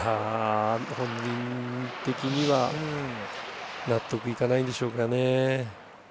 本人的には納得いかないんでしょうかね。